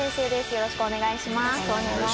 よろしくお願いします。